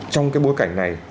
trong cái bối cảnh này